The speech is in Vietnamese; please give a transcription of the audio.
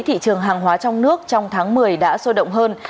thị trường hàng hóa trong nước trong tháng một mươi đã sôi động hơn